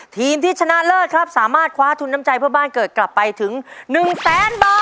ทีมที่ชนะเลิศครับสามารถคว้าทุนน้ำใจเพื่อบ้านเกิดกลับไปถึง๑แสนบาท